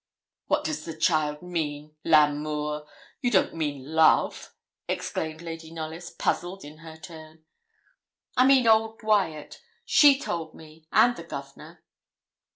'What does the child mean? L'Amour! You don't mean love?' exclaimed Lady Knollys, puzzled in her turn. 'I mean old Wyat; she told me and the Governor.'